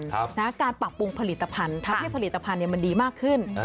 ครับนะฮะการปรับปรุงผลิตภัณฑ์ทับให้ผลิตภัณฑ์เนี่ยมันดีมากขึ้น